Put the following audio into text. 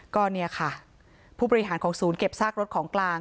ก็เนี่ยค่ะผู้บริหารของศูนย์เก็บซากรถของกลาง